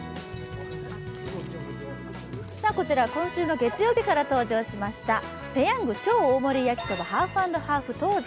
今週の月曜日から登場しましたペヤング超大盛りやきそばハーフ＆ハーフ東西。